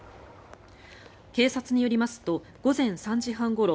警察によりますと午前３時半ごろ